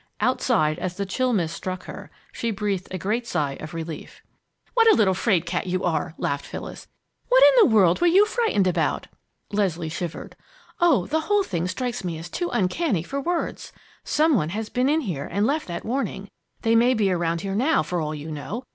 Outside, as the chill mist struck her, she breathed a great sigh of relief. "What a little 'fraid cat you are!" laughed Phyllis. "What in the world were you frightened about?" Leslie shivered. "Oh, the whole thing strikes me as too uncanny for words! Some one has been in here and left that warning. They may be around here now, for all you know.